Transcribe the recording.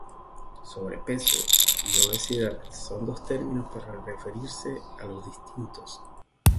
“sobrepeso” y “obesidad” son términos para referirse a los distintos